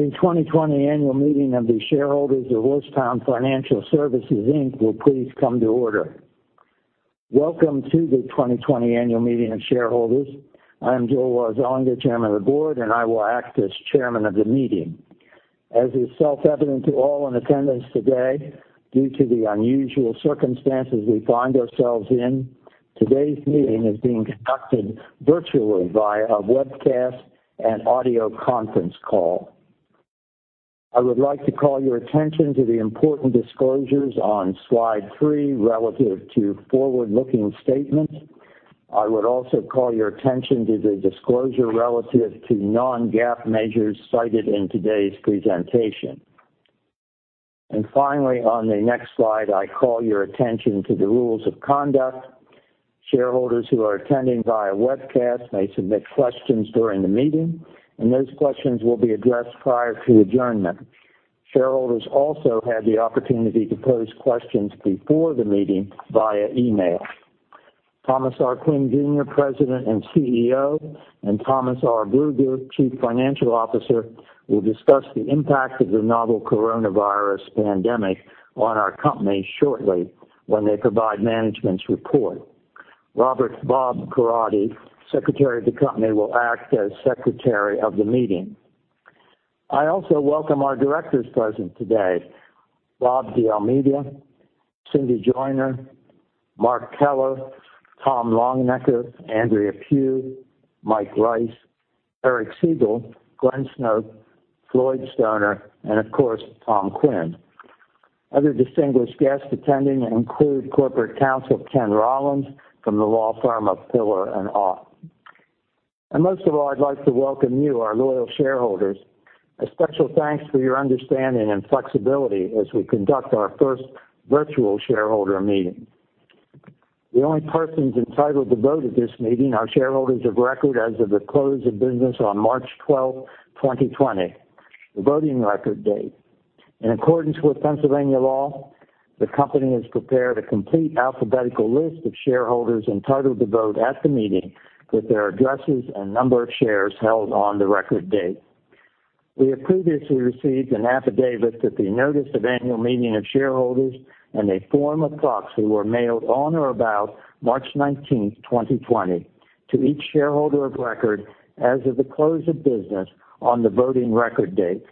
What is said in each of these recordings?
The 2020 annual meeting of the shareholders of Orrstown Financial Services, Inc will please come to order. Welcome to the 2020 annual meeting of shareholders. I'm Joel R. Zullinger, Chairman of the Board, and I will act as chairman of the meeting. As is self-evident to all in attendance today, due to the unusual circumstances we find ourselves in, today's meeting is being conducted virtually via a webcast and audio conference call. I would like to call your attention to the important disclosures on slide three relative to forward-looking statements. I would also call your attention to the disclosure relative to non-GAAP measures cited in today's presentation. Finally, on the next slide, I call your attention to the rules of conduct. Shareholders who are attending via webcast may submit questions during the meeting, and those questions will be addressed prior to adjournment. Shareholders also had the opportunity to pose questions before the meeting via email. Thomas R. Quinn, Jr., President and CEO, and Thomas R. Brugger, Chief Financial Officer, will discuss the impact of the novel coronavirus pandemic on our company shortly when they provide management's report. Robert "Bob" Coradi, Secretary of the company, will act as Secretary of the meeting. I also welcome our directors present today, Rob DeAlmeida, Cindy Joiner, Mark Keller, Tom Longenecker, Andrea Pugh, Mike Rice, Eric Segal, Glenn Snoke, Floyd Stoner, and of course, Tom Quinn. Other distinguished guests attending, include corporate counsel Ken Rollins from the law firm of Pillar+Aught. Most of all, I'd like to welcome you, our loyal shareholders. A special thanks for your understanding and flexibility as we conduct our first virtual shareholder meeting. The only persons entitled to vote at this meeting are shareholders of record as of the close of business on March 12th, 2020, the voting record date. In accordance with Pennsylvania law, the company has prepared a complete alphabetical list of shareholders entitled to vote at the meeting with their addresses and number of shares held on the record date. We have previously received an affidavit that the notice of annual meeting of shareholders and a form of proxy were mailed on or about March 19th, 2020, to each shareholder of record as of the close of business on the voting record date.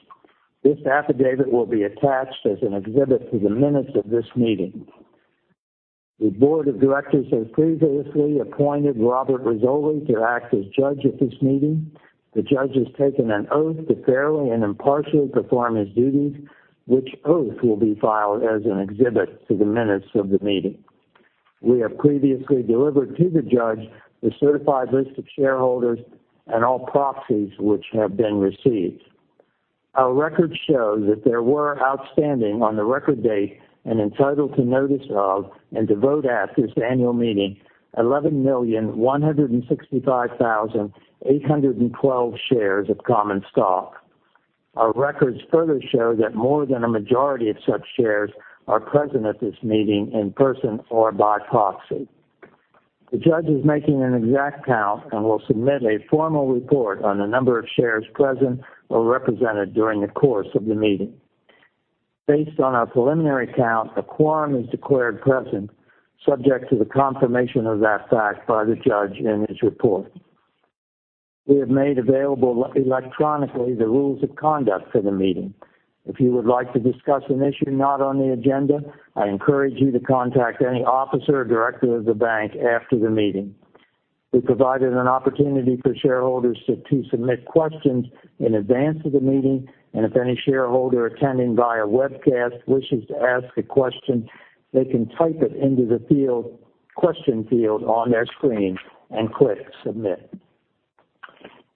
This affidavit will be attached as an exhibit to the minutes of this meeting. The board of directors have previously appointed Robert Russoli to act as judge at this meeting. The judge has taken an oath to fairly and impartially perform his duties, which oath will be filed as an exhibit to the minutes of the meeting. We have previously delivered to the judge the certified list of shareholders and all proxies which have been received. Our records show that there were outstanding on the record date and entitled to notice of and to vote at this annual meeting, 11,165,812 shares of common stock. Our records further show that more than a majority of such shares are present at this meeting in person or by proxy. The judge is making an exact count and will submit a formal report on the number of shares present or represented during the course of the meeting. Based on our preliminary count, a quorum is declared present, subject to the confirmation of that fact by the judge in his report. We have made available electronically the rules of conduct for the meeting. If you would like to discuss an issue not on the agenda, I encourage you to contact any officer or director of the bank after the meeting. We provided an opportunity for shareholders to submit questions in advance of the meeting, and if any shareholder. If any shareholder attending via webcast wishes to ask a question, they can type it into the question field on their screen and click submit.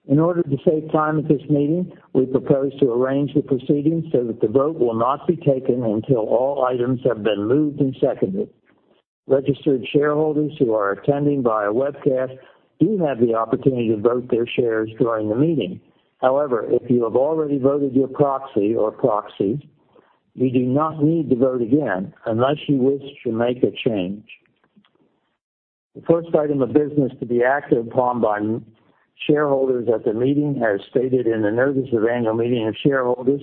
In order to save time at this meeting, we propose to arrange the proceedings so that the vote will not be taken until all items have been moved and seconded. Registered shareholders who are attending via webcast do have the opportunity to vote their shares during the meeting. However, f you have already voted your proxy or proxies, you do not need to vote again unless you wish to make a change. The first item of business to be acted upon by shareholders at the meeting, as stated in the notice of annual meeting of shareholders,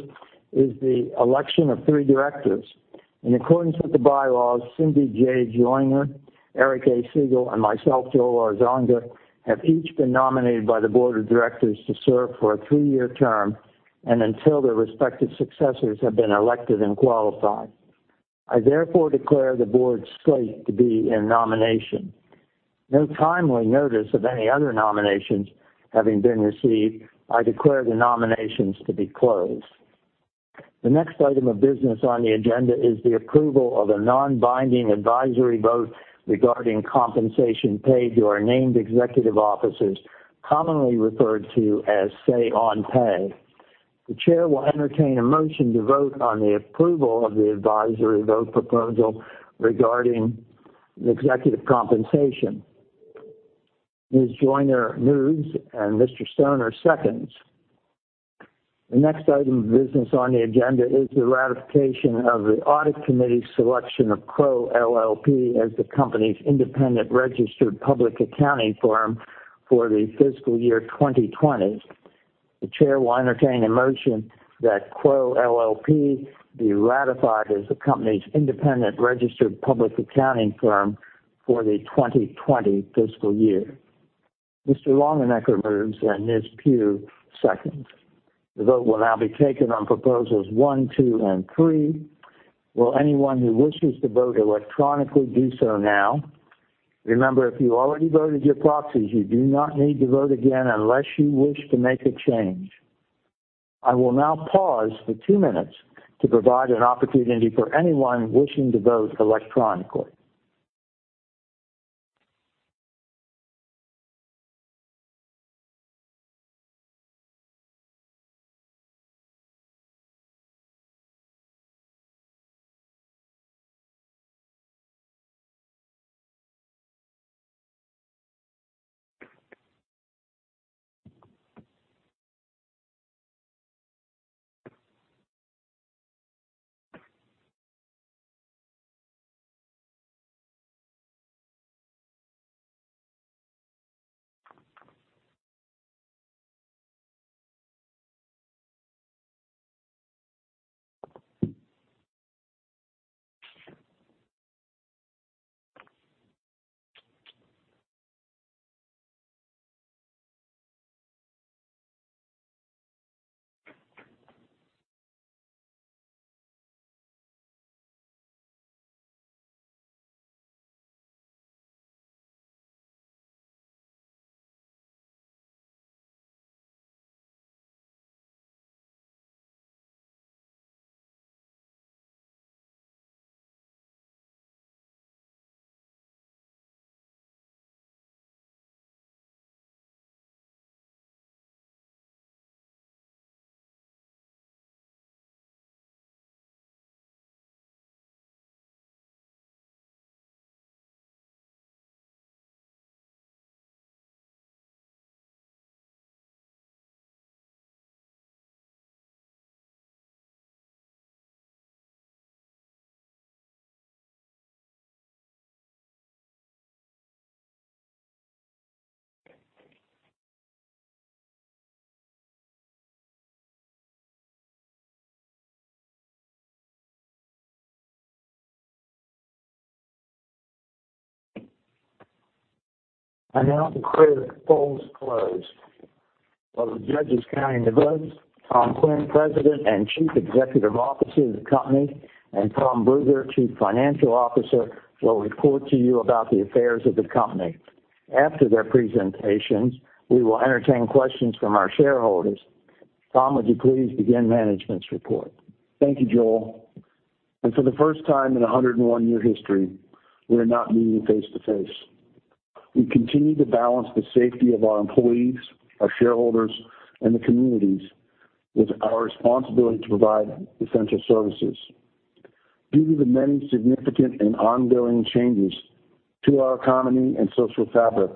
is the election of three directors. In accordance with the bylaws, Cindy J. Joiner, Eric A. Segal, and myself, Joel Zullinger, have each been nominated by the board of directors to serve for a three-year term and until their respective successors have been elected and qualified. I therefore declare the board slate to be in nomination. No timely notice of any other nominations having been received, I declare the nominations to be closed. The next item of business on the agenda is the approval of a non-binding advisory vote regarding compensation paid to our named executive officers, commonly referred to as Say-on-Pay. The chair will entertain a motion to vote on the approval of the advisory vote proposal regarding the executive compensation. Ms. Joiner moves and Mr. Stoner seconds. The next item of business on the agenda is the ratification of the audit committee's selection of Crowe LLP as the company's independent registered public accounting firm. For the fiscal year 2020, the chair will entertain a motion that Crowe LLP be ratified as the company's independent registered public accounting firm for the 2020 fiscal year. Mr. Longenecker moves, and Ms. Pugh seconds. The vote will now be taken on proposals one, two, and three. Will anyone who wishes to vote electronically do so now? Remember, if you already voted your proxies, you do not need to vote again unless you wish to make a change. I will now pause for two minutes to provide an opportunity for anyone wishing to vote electronically. I now declare the polls closed. While the judges counting the votes, Tom Quinn, President and Chief Executive Officer of the company, and Tom Brugger, Chief Financial Officer, will report to you about the affairs of the company. After their presentations, we will entertain questions from our shareholders. Tom, would you please begin management's report? Thank you, Joel. For the first time in 101-year history, we are not meeting face-to-face. We continue to balance the safety of our employees, our shareholders, and the communities with our responsibility to provide essential services. Due to the many significant and ongoing changes to our economy and social fabric,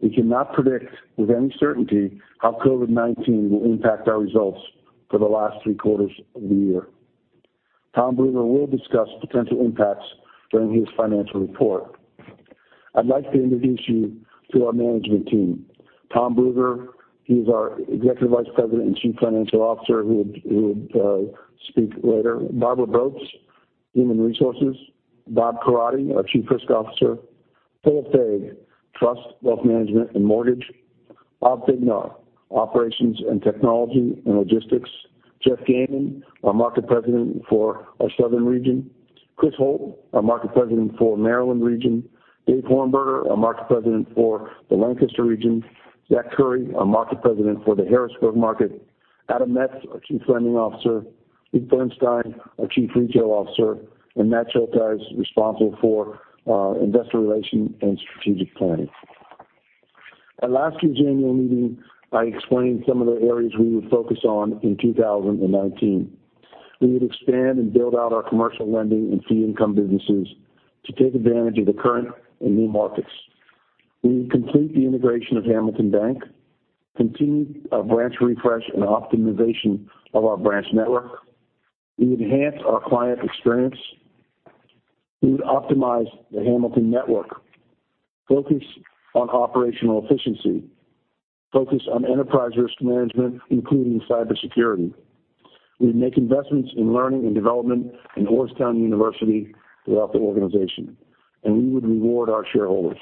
we cannot predict with any certainty how COVID-19 will impact our results for the last three quarters of the year. Tom Brugger will discuss potential impacts during his financial report. I'd like to introduce you to our management team. Tom Brugger, he is our Executive Vice President and Chief Financial Officer, who would speak later. Barbara Brobst, Human Resources. Bob Coradi, our Chief Risk Officer. Philip Fague, Trust, Wealth Management, and Mortgage. Bob Fignar, Operations and Technology and Logistics. Jeff Gayman, our Market President for our Southern region. Chris Holt, our Market President for Maryland Region. Dave Hornberger, our Market President for the Lancaster region. Zach Curry, our Market President for the Harrisburg market. Adam Metz, our Chief Lending Officer. Steve Bernstein, our Chief Retail Officer, and Matt Schultheis is responsible for investor relation and strategic planning. At last year's annual meeting, I explained some of the areas we would focus on in 2019. We would expand and build out our commercial lending and fee income businesses to take advantage of the current and new markets. We would complete the integration of Hamilton Bank, continue our branch refresh and optimization of our branch network. We would enhance our client experience. We would optimize the Hamilton network, focus on operational efficiency, focus on enterprise risk management, including cybersecurity. We would make investments in learning and development in Orrstown University throughout the organization, and we would reward our shareholders.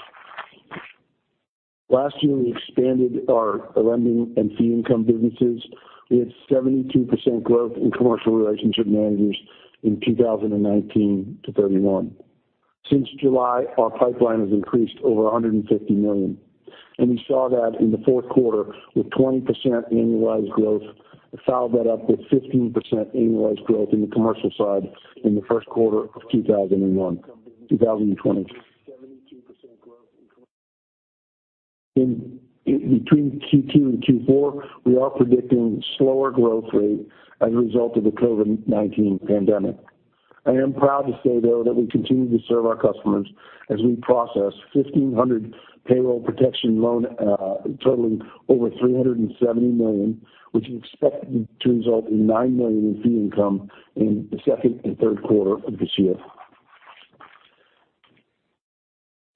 Last year, we expanded our lending and fee income businesses. We had 72% growth in commercial relationship managers in 2019 to 31%. Since July, our pipeline has increased over $150 million, and we saw that in the fourth quarter with 20% annualized growth. To follow that up with 15% annualized growth in the commercial side in the first quarter of 2020. Between Q2 and Q4, we are predicting slower growth rate as a result of the COVID-19 pandemic. I am proud to say, though, that we continue to serve our customers as we process 1,500 payroll protection loan totaling over $370 million, which is expected to result in $9 million in fee income in the second and third quarter of this year.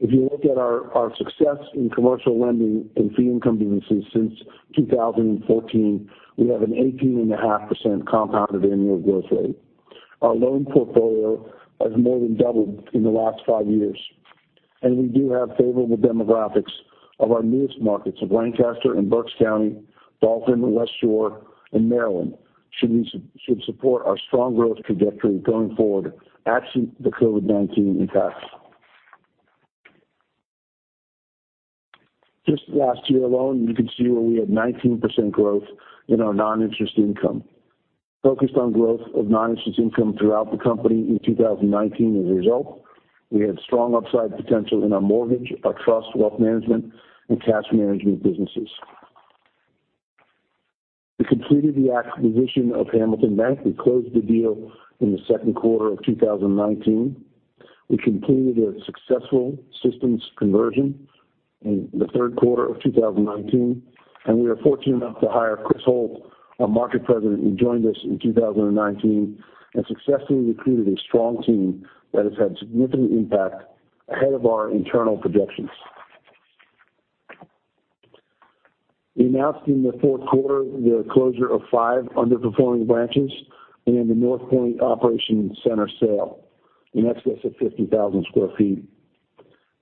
If you look at our success in commercial lending and fee income businesses since 2014, we have an 18.5% compounded annual growth rate. Our loan portfolio has more than doubled in the last five years. We do have favorable demographics of our newest markets of Lancaster and Berks County, Baltimore and the West Shore, and Maryland should support our strong growth trajectory going forward absent the COVID-19 impacts. Just last year alone, you can see where we had 19% growth in our non-interest income. Focused on growth of non-interest income throughout the company in 2019 as a result. We had strong upside potential in our mortgage, our trust wealth management, and cash management businesses. We completed the acquisition of Hamilton Bank. We closed the deal in the second quarter of 2019. We completed a successful systems conversion in the third quarter of 2019, and we were fortunate enough to hire Chris Holt, our Market President, who joined us in 2019 and successfully recruited a strong team that has had significant impact ahead of our internal projections. We announced in the fourth quarter the closure of five underperforming branches and the North Pointe Operations Center sale in excess of 50,000 sq ft.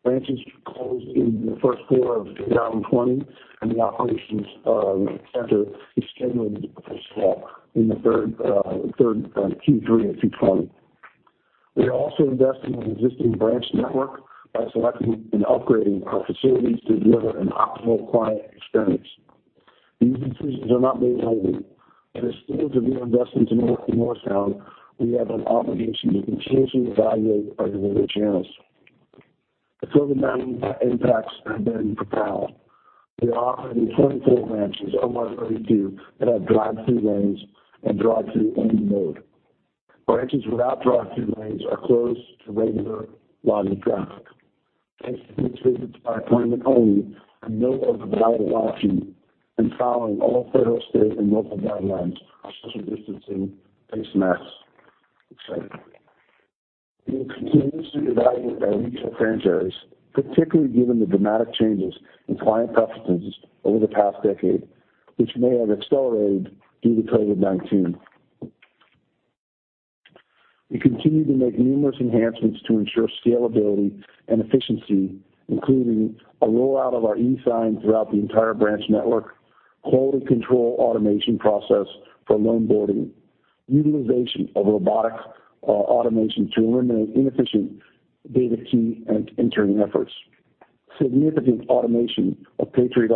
Branches to close in the first quarter of 2020, and the operations center is scheduled for sale in Q3 of 2020. We are also investing in existing branch network by selecting and upgrading our facilities to deliver an optimal client experience. These decisions are not made lightly, and as stewards of your investment in Orrstown, we have an obligation to continuously evaluate our delivery channels. The COVID-19 impacts have been profound. There are already 24 branches of our 32 that have drive-through lanes and drive-through only mode. Branches without drive-through lanes are closed to regular walk-in traffic. Branch visits by appointment only are another viable option in following all federal, state, and local guidelines on social distancing, face masks, et cetera. We will continuously evaluate our regional footprint choice, particularly given the dramatic changes in client preferences over the past decade, which may have accelerated due to COVID-19. We continue to make numerous enhancements to ensure scalability and efficiency, including a rollout of our e-sign throughout the entire branch network, quality control automation process for loan boarding, utilization of robotics automation to eliminate inefficient data key and entering efforts, significant automation of PATRIOT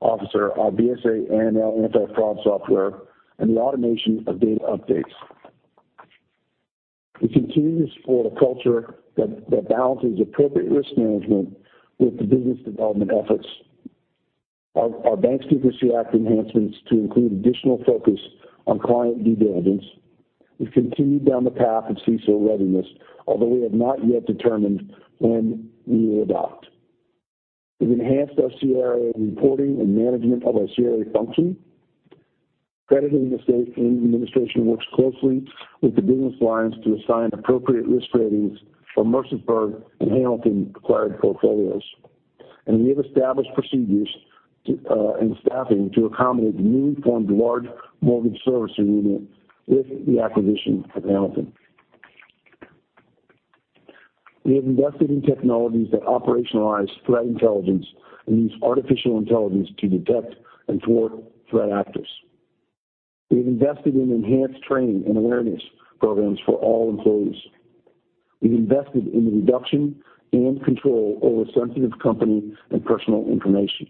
OFFICER, our BSA/AML anti-fraud software, and the automation of data updates. We continue to support a culture that balances appropriate risk management with the business development efforts. Our Bank Secrecy Act enhancements to include additional focus on client due diligence. We've continued down the path of CSOR readiness, although we have not yet determined when we will adopt. We've enhanced our CRA reporting and management of our CRA function. Credit administration works closely with the business lines to assign appropriate risk ratings for Mercersburg and Hamilton acquired portfolios. We have established procedures and staffing to accommodate the newly formed large mortgage servicing unit with the acquisition of Hamilton. We have invested in technologies that operationalize threat intelligence and use artificial intelligence to detect and thwart threat actors. We've invested in enhanced training and awareness programs for all employees. We've invested in the reduction and control over sensitive company and personal information.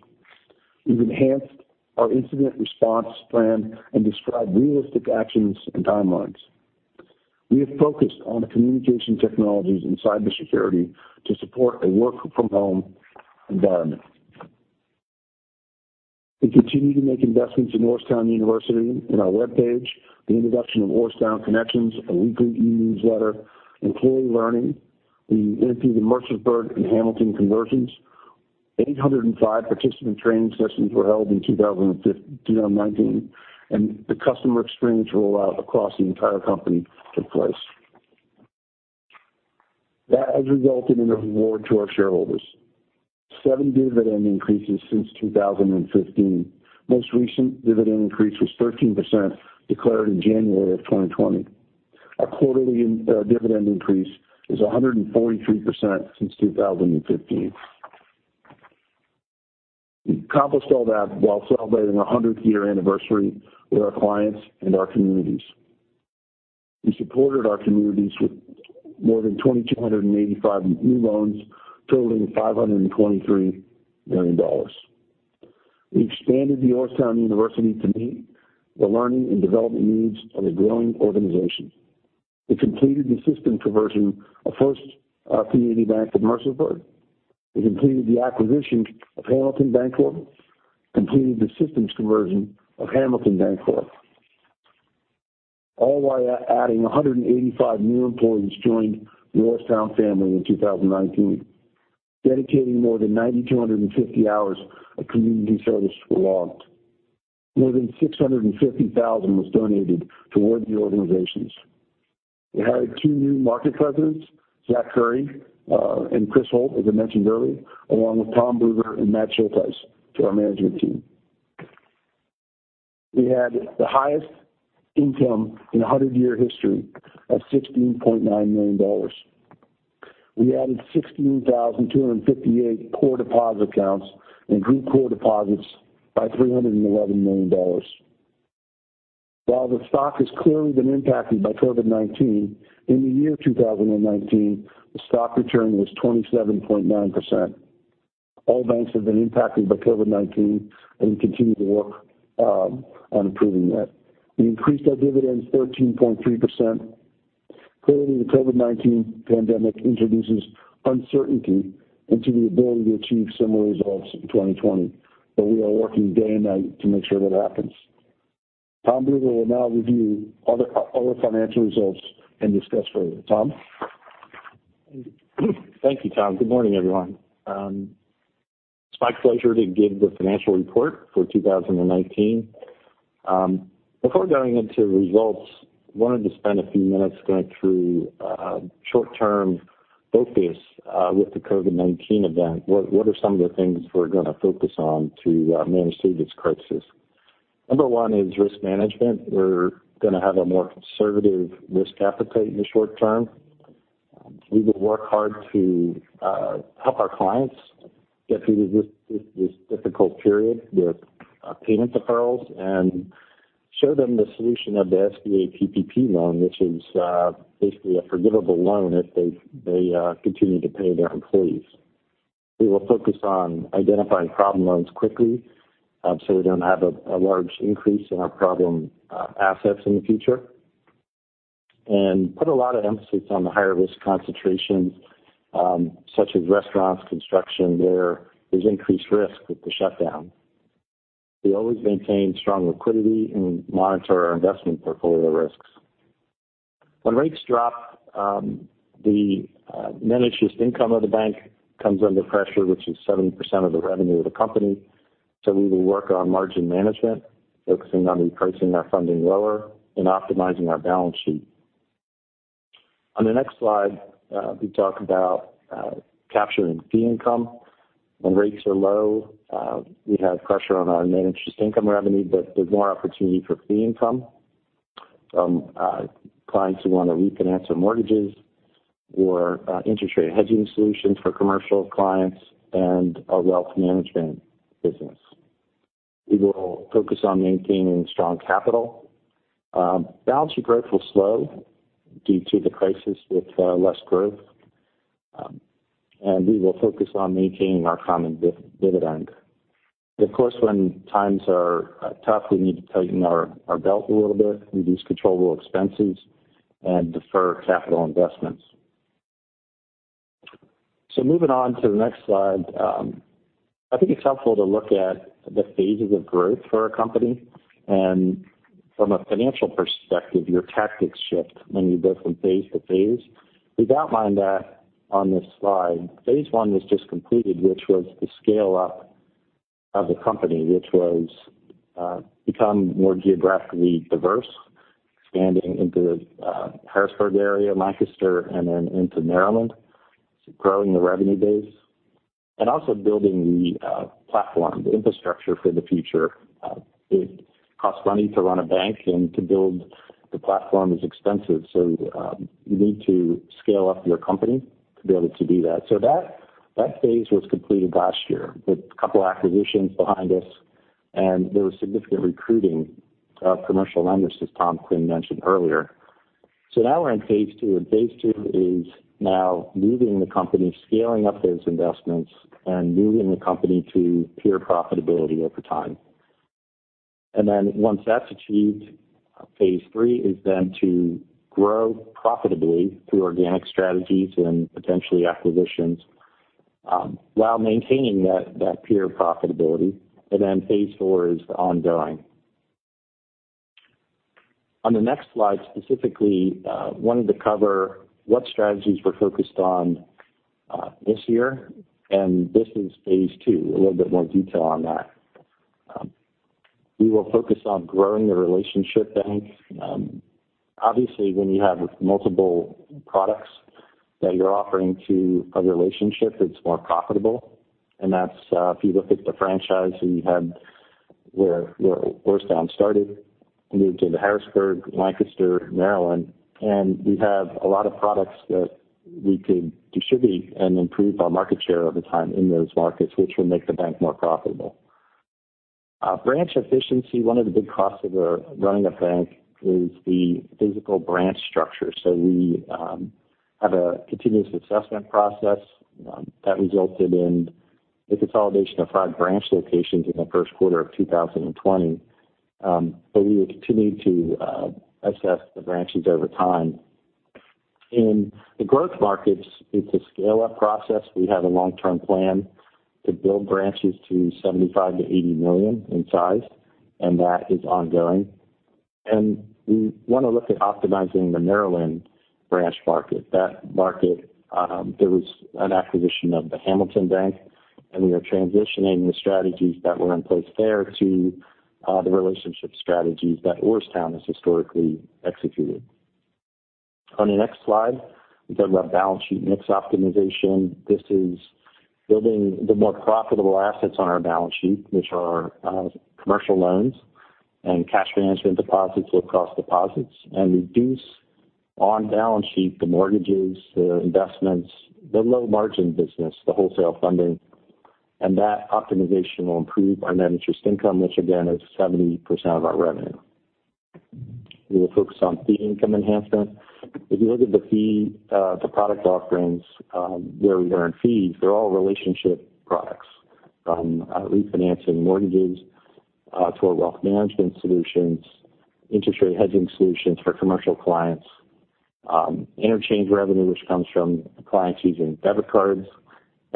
We've enhanced our incident response plan and described realistic actions and timelines. We have focused on communication technologies and cybersecurity to support a work-from-home environment. We continue to make investments in Orrstown University and our webpage, the introduction of Orrstown Connections, a weekly e-newsletter, employee learning. We completed the Mercersburg and Hamilton conversions. 805 participant training sessions were held in 2019, and the customer experience rollout across the entire company took place. That has resulted in a reward to our shareholders. 7% dividend increases since 2015. Most recent dividend increase was 13% declared in January of 2020. Our quarterly dividend increase is 143% since 2015. We accomplished all that while celebrating our 100th year anniversary with our clients and our communities. We supported our communities with more than 2,285 new loans totaling $523 million. We expanded the Orrstown University to meet the learning and development needs of a growing organization. We completed the system conversion of First Community Bank of Mercersburg. We completed the acquisition of Hamilton Bancorp, completed the systems conversion of Hamilton Bancorp, all while adding 185 new employees joined the Orrstown family in 2019. Dedicating more than 9,250 hours of community service were logged. More than $650,000 was donated toward the organizations. We hired two new market presidents, Zach Curry and Chris Holt, as I mentioned earlier, along with Tom Brugger and Matt Schultheis to our management team. We had the highest income in 100-year history of $16.9 million. We added 16,258 core deposit accounts and grew core deposits by $311 million. While the stock has clearly been impacted by COVID-19, in the year 2019, the stock return was 27.9%. All banks have been impacted by COVID-19, we continue to work on improving that. We increased our dividends 13.3%. Clearly, the COVID-19 pandemic introduces uncertainty into the ability to achieve similar results in 2020, but we are working day and night to make sure that happens. Tom Brugger will now review all the financial results and discuss further. Tom? Thank you, Tom. Good morning, everyone. It's my pleasure to give the financial report for 2019. Before going into results, I wanted to spend a few minutes going through short-term focus with the COVID-19 event. What are some of the things we're going to focus on to manage through this crisis? Number one is risk management. We're going to have a more conservative risk appetite in the short term. We will work hard to help our clients get through this difficult period with payment deferrals and show them the solution of the SBA PPP loan, which is basically a forgivable loan if they continue to pay their employees. We will focus on identifying problem loans quickly so we don't have a large increase in our problem assets in the future. Put a lot of emphasis on the higher risk concentrations such as restaurants, construction. There is increased risk with the shutdown. We always maintain strong liquidity and monitor our investment portfolio risks. When rates drop, the net interest income of the bank comes under pressure, which is 70% of the revenue of the company. We will work on margin management, focusing on repricing our funding lower and optimizing our balance sheet. On the next slide, we talk about capturing fee income. When rates are low, we have pressure on our net interest income revenue, but there's more opportunity for fee income from clients who want to refinance their mortgages or interest rate hedging solutions for commercial clients and our wealth management business. We will focus on maintaining strong capital. Balance sheet growth will slow due to the crisis with less growth. We will focus on maintaining our common dividend. Of course, when times are tough, we need to tighten our belt a little bit, reduce controllable expenses, and defer capital investments. Moving on to the next slide. I think it's helpful to look at the phases of growth for a company. From a financial perspective, your tactics shift when you go from phase to phase. We've outlined that on this slide. Phase I was just completed, which was the scale-up of the company, which was become more geographically diverse, expanding into Harrisburg area, Lancaster, and then into Maryland. Growing the revenue base and also building the platform, the infrastructure for the future. It costs money to run a bank, and to build the platform is expensive. You need to scale up your company to be able to do that. That phase was completed last year with a couple of acquisitions behind us, and there was significant recruiting of commercial lenders, as Tom Quinn mentioned earlier. Now we're in phase II, and phase II is now moving the company, scaling up those investments, and moving the company to pure profitability over time. Once that's achieved, phase III is to grow profitably through organic strategies and potentially acquisitions while maintaining that pure profitability. Phase IV is ongoing. On the next slide, specifically, wanted to cover what strategies we're focused on this year, and this is phase II, a little bit more detail on that. We will focus on growing the relationship bank. Obviously, when you have multiple products that you're offering to a relationship, it's more profitable. That's if you look at the franchise that we had where Orrstown started, moved into Harrisburg, Lancaster, Maryland, and we have a lot of products that we could distribute and improve our market share over time in those markets, which would make the bank more profitable. Branch efficiency. One of the big costs of running a bank is the physical branch structure. We have a continuous assessment process that resulted in the consolidation of five branch locations in the first quarter of 2020. We will continue to assess the branches over time. In the growth markets, it's a scale-up process. We have a long-term plan to build branches to $75 million-$80 million in size, and that is ongoing. We want to look at optimizing the Maryland branch market. That market, there was an acquisition of Hamilton Bank. We are transitioning the strategies that were in place there to the relationship strategies that Orrstown has historically executed. On the next slide, we talk about balance sheet mix optimization. This is building the more profitable assets on our balance sheet, which are commercial loans and cash management deposits or cross deposits, reduce on balance sheet the mortgages, the investments, the low margin business, the wholesale funding. That optimization will improve our net interest income, which again, is 70% of our revenue. We will focus on fee income enhancement. If you look at the fee, the product offerings where we earn fees, they're all relationship products, from refinancing mortgages to our wealth management solutions, interest rate hedging solutions for commercial clients, interchange revenue which comes from clients using debit cards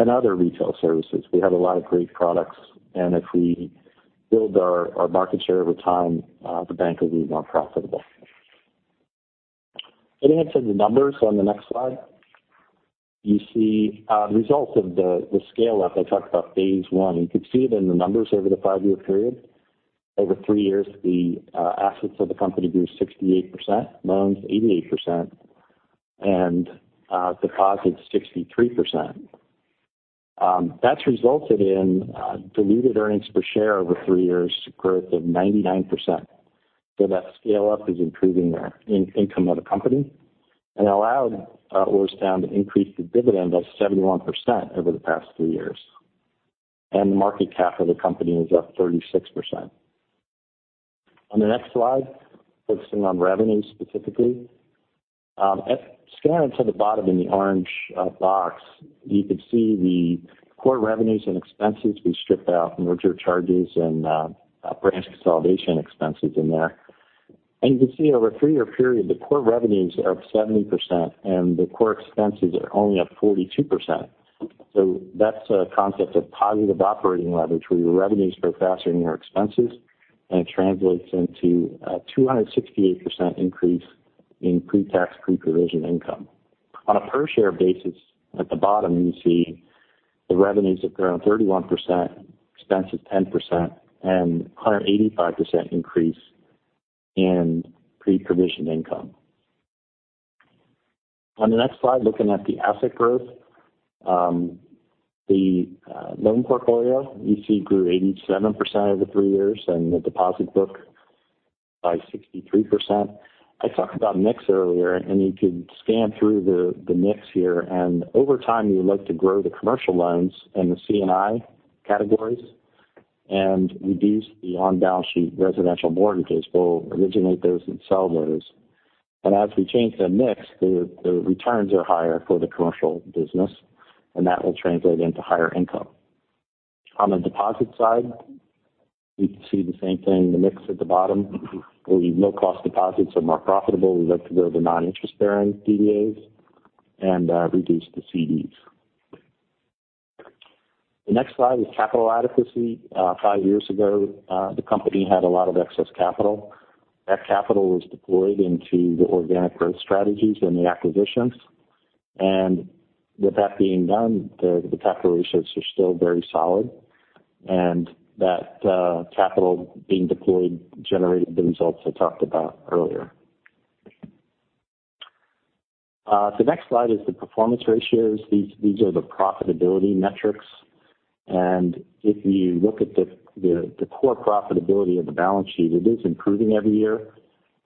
and other retail services. We have a lot of great products, and if we build our market share over time, the bank will be more profitable. Enhancing the numbers on the next slide. You see results of the scale up I talked about phase I. You could see it in the numbers over the five-year period. Over three years, the assets of the company grew 68%, loans 88%, and deposits 63%. That's resulted in diluted earnings per share over three years, growth of 99%. That scale up is improving the income of the company and allowed Orrstown to increase the dividend by 71% over the past three years. The market cap of the company is up 36%. On the next slide, focusing on revenue specifically. Scan to the bottom in the orange box, you can see the core revenues and expenses. We stripped out merger charges and branch consolidation expenses in there. You can see over a three-year period, the core revenues are up 70% and the core expenses are only up 42%. That's a concept of positive operating leverage, where your revenues grow faster than your expenses, and it translates into a 268% increase in pre-tax, pre-provision income. On a per share basis, at the bottom, you see the revenues up around 31%, expenses 10%, and 185% increase in pre-provision income. On the next slide, looking at the asset growth. The loan portfolio you see grew 87% over three years, and the deposit book by 63%. I talked about mix earlier, you could scan through the mix here. Over time, we would like to grow the commercial loans and the C&I categories and reduce the on-balance sheet residential mortgages. We'll originate those and sell those. As we change the mix, the returns are higher for the commercial business, and that will translate into higher income. On the deposit side, we can see the same thing, the mix at the bottom, where the low cost deposits are more profitable. We look to grow the non-interest bearing DDAs and reduce the CDs. The next slide is capital adequacy. Five years ago, the company had a lot of excess capital. That capital was deployed into the organic growth strategies and the acquisitions. With that being done, the capital ratios are still very solid, and that capital being deployed generated the results I talked about earlier. The next slide is the performance ratios. These are the profitability metrics. If you look at the core profitability of the balance sheet, it is improving every year.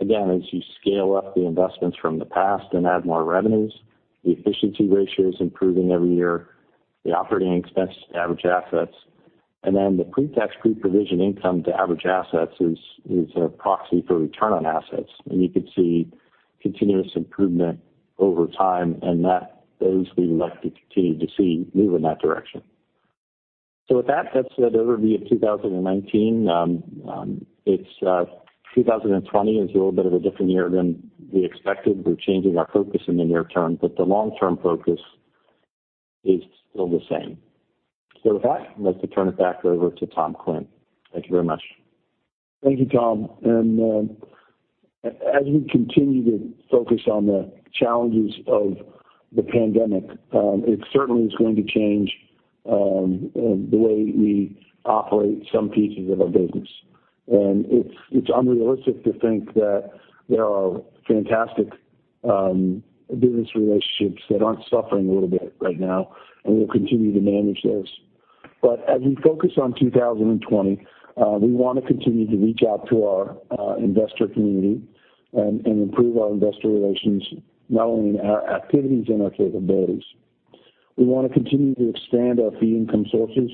As you scale up the investments from the past and add more revenues, the efficiency ratio is improving every year. The operating expense to average assets then the pre-tax, pre-provision income to average assets is a proxy for return on assets. You could see continuous improvement over time, and those we would like to continue to see move in that direction. With that's the overview of 2019. 2020 is a little bit of a different year than we expected. We're changing our focus in the near term, the long-term focus is still the same. With that, I'd like to turn it back over to Tom Quinn. Thank you very much. Thank you, Tom. As we continue to focus on the challenges of the pandemic, it certainly is going to change the way we operate some pieces of our business. It's unrealistic to think that there are fantastic business relationships that aren't suffering a little bit right now, and we'll continue to manage those. As we focus on 2020, we want to continue to reach out to our investor community and improve our investor relations, not only in our activities and our capabilities. We want to continue to expand our fee income sources.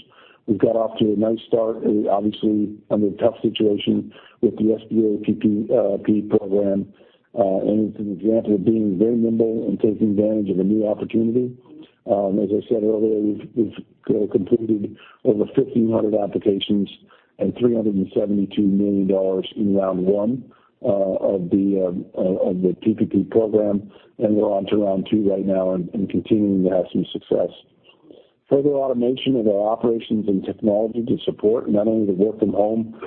We've got off to a nice start, obviously under the tough situation with the SBA PPP program. It's an example of being very nimble and taking advantage of a new opportunity. As I said earlier, we've completed over 1,500 applications and $372 million in round one of the PPP program. We're on to round two right now and continuing to have some success. Further automation of our operations and technology to support not only the work from home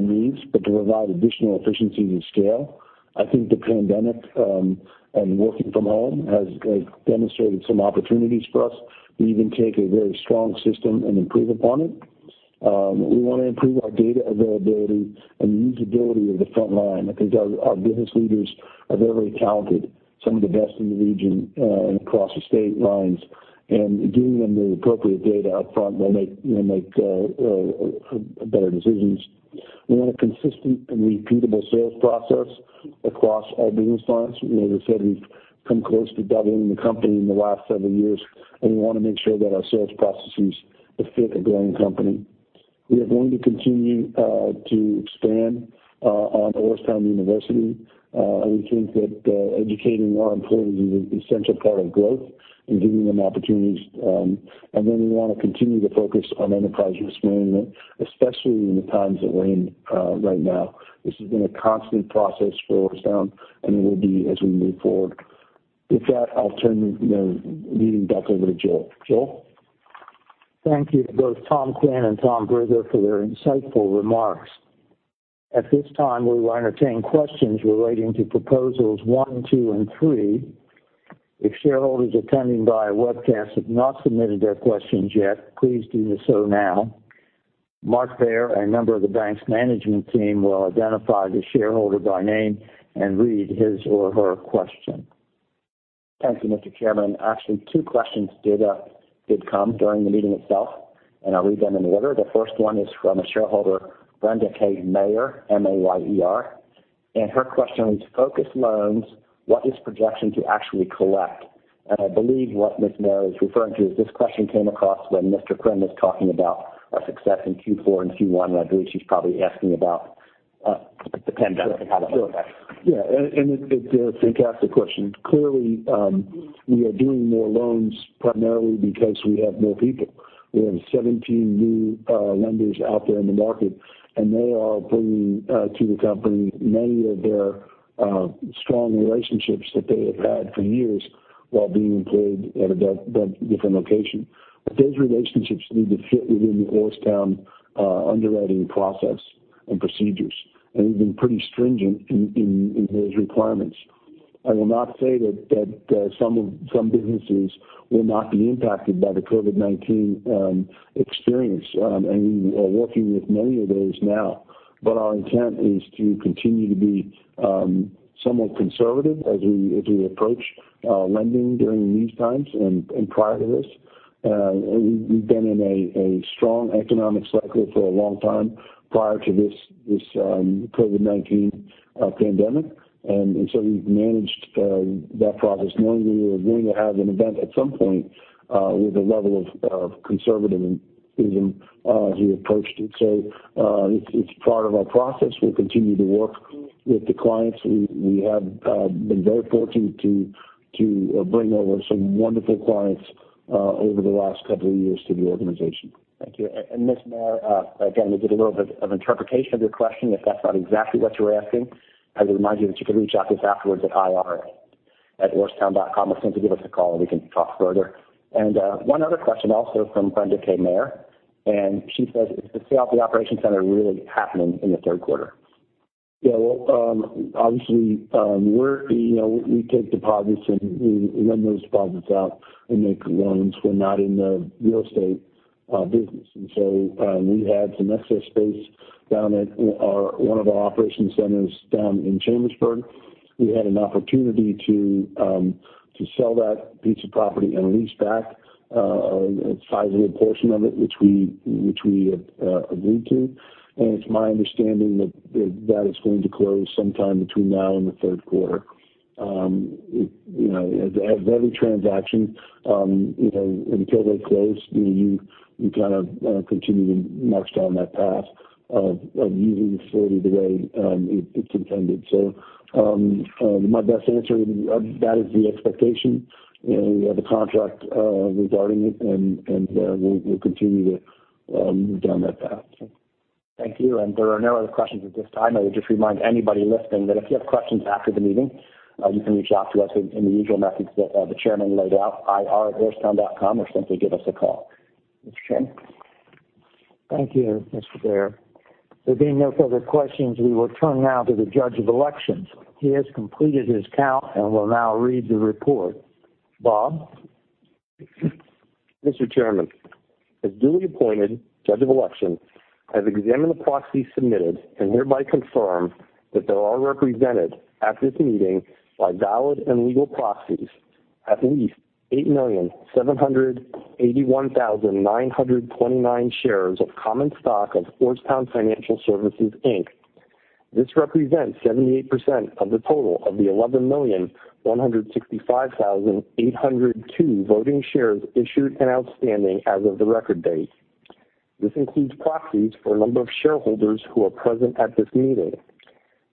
needs, but to provide additional efficiencies and scale. I think the pandemic and working from home has demonstrated some opportunities for us to even take a very strong system and improve upon it. We want to improve our data availability and usability of the front line. I think our business leaders are very talented, some of the best in the region and across the state lines, and giving them the appropriate data up front, they'll make better decisions. We want a consistent and repeatable sales process across all business lines. As I said, we've come close to doubling the company in the last several years. We want to make sure that our sales processes will fit a growing company. We are going to continue to expand on Orrstown University. We think that educating our employees is an essential part of growth and giving them opportunities. We want to continue to focus on enterprise risk management, especially in the times that we're in right now. This has been a constant process for Orrstown and it will be as we move forward. With that, I'll turn the meeting back over to Joel. Joel? Thank you to both Tom Quinn and Tom Brugger for their insightful remarks. At this time, we will entertain questions relating to proposals one, two, and three. If shareholders attending via webcast have not submitted their questions yet, please do so now. Mark Bayer, a member of the bank's management team, will identify the shareholder by name and read his or her question. Thank you, Mr. Chairman. Actually, two questions did come during the meeting itself, and I'll read them in order. The first one is from a shareholder, Brenda K. Mayer. Her question was, "Focus loans, what is projection to actually collect?" I believe what Ms. Mayer is referring to is this question came across when Mr. Quinn was talking about our success in Q4 and Q1. I believe she's probably asking about the pandemic and how it affected. Sure. Yeah, it's a fantastic question. Clearly, we are doing more loans primarily because we have more people. We have 17 new lenders out there in the market, and they are bringing to the company many of their strong relationships that they have had for years while being employed at a different location. Those relationships need to fit within the Orrstown underwriting process and procedures. We've been pretty stringent in those requirements. I will not say that some businesses will not be impacted by the COVID-19 experience, and we are working with many of those now. Our intent is to continue to be somewhat conservative as we approach lending during these times and prior to this. We've been in a strong economic cycle for a long time prior to this COVID-19 pandemic. We've managed that process knowing we were going to have an event at some point with a level of conservatism as we approached it. It's part of our process. We'll continue to work with the clients. We have been very fortunate to bring over some wonderful clients over the last couple of years to the organization. Thank you. Ms. Mayer, again, we did a little bit of interpretation of your question. If that's not exactly what you were asking, I would remind you that you can reach out to us afterwards at ir@orrtstown.com or simply give us a call and we can talk further. One other question also from Brenda K. Mayer, she says, "Is the sale of the operation center really happening in the third quarter? Obviously, we take deposits and we lend those deposits out and make loans. We're not in the real estate business. We had some excess space down at one of our operations centers down in Chambersburg. We had an opportunity to sell that piece of property and lease back a sizable portion of it, which we agreed to. It's my understanding that is going to close sometime between now and the third quarter. As every transaction, until they close, you kind of continue to march down that path of using the facility the way it's intended. My best answer, that is the expectation. We have a contract regarding it, and we'll continue to move down that path. Thank you. There are no other questions at this time. I would just remind anybody listening that if you have questions after the meeting, you can reach out to us in the usual methods that the Chairman laid out, ir@orrstown.com, or simply give us a call. Mr. Chairman? Thank you, Mr. Bayer. There being no further questions, we will turn now to the judge of elections. He has completed his count and will now read the report. Bob? Mr. Chairman, as duly appointed judge of election, I have examined the proxies submitted and hereby confirm that there are represented at this meeting by valid and legal proxies at least 8,781,929 shares of common stock of Orrstown Financial Services, Inc. This represents 78% of the total of the 11,165,802 voting shares issued and outstanding as of the record date. This includes proxies for a number of shareholders who are present at this meeting.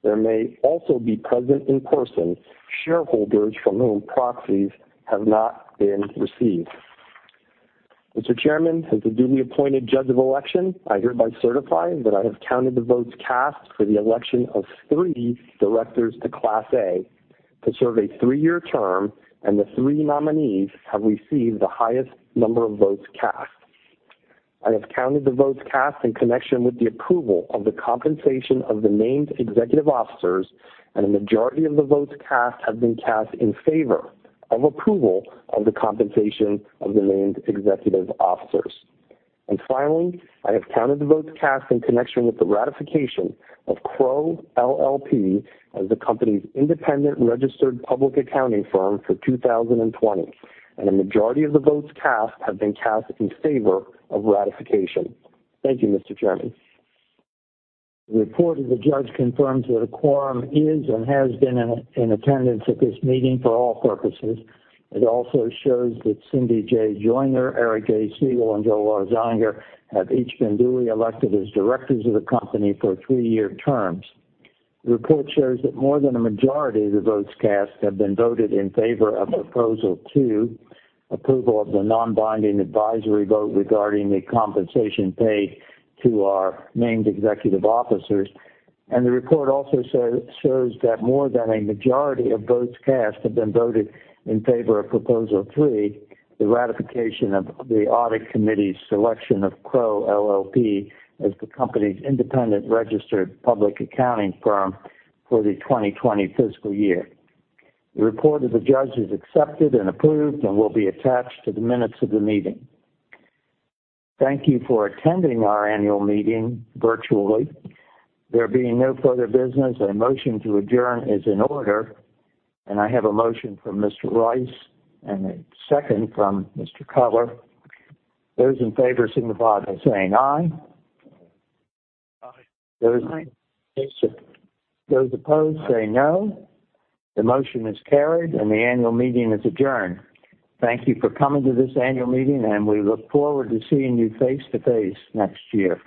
There may also be present in person shareholders from whom proxies have not been received. Mr. Chairman, as the duly appointed judge of election, I hereby certify that I have counted the votes cast for the election of three directors to Class A to serve a three-year term, and the three nominees have received the highest number of votes cast. I have counted the votes cast in connection with the approval of the compensation of the named executive officers, and a majority of the votes cast have been cast in favor of approval of the compensation of the named executive officers. Finally, I have counted the votes cast in connection with the ratification of Crowe LLP as the company's independent registered public accounting firm for 2020, and a majority of the votes cast have been cast in favor of ratification. Thank you, Mr. Chairman. The report of the judge confirms that a quorum is and has been in attendance at this meeting for all purposes. It also shows that Cindy J. Joiner, Eric A. Segal, and Joel R. Zullinger have each been duly elected as directors of the company for three-year terms. The report shows that more than a majority of the votes cast have been voted in favor of Proposal 2, approval of the non-binding advisory vote regarding the compensation paid to our named executive officers. The report also shows that more than a majority of votes cast have been voted in favor of Proposal 3, the ratification of the audit committee's selection of Crowe LLP as the company's independent registered public accounting firm for the 2020 fiscal year. The report of the judge is accepted and approved and will be attached to the minutes of the meeting. Thank you for attending our annual meeting virtually. There being no further business, a motion to adjourn is in order, and I have a motion from Mr. Rice and a second from Mr. Keller. Those in favor signify by saying aye. Those opposed say no. The motion is carried and the annual meeting is adjourned. Thank you for coming to this annual meeting, and we look forward to seeing you face-to-face next year.